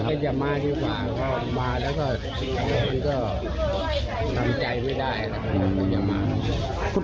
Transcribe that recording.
หรอ